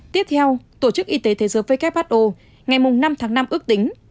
tiếp theo tổ chức y tế thế giới who ngày năm tháng năm ước tính